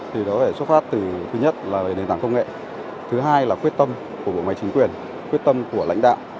thì nó phải xuất phát từ thứ nhất là nền tảng công nghệ thứ hai là quyết tâm của bộ máy chính quyền quyết tâm của lãnh đạo